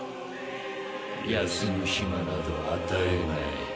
休む暇など与えない。